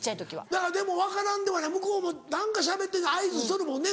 何かでも分からんではない向こうも何かしゃべって合図しとるもんね